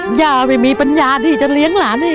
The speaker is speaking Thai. ย่าไม่มีปัญญาที่จะเลี้ยงหลานเอง